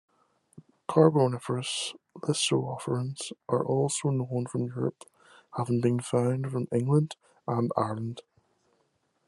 Carboniferous lysorophians are also known from Europe, having been found from England and Ireland.